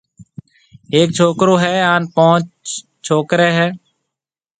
ھيَََڪ ڇوڪرو ھيََََ ھان پونچ ڇوڪرَو ھيََََ